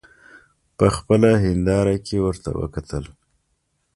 په خپله هینداره کې ورته وکتل.